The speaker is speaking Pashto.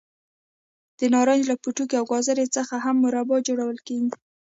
د نارنج له پوټکي او ګازرو څخه هم مربا جوړول کېږي.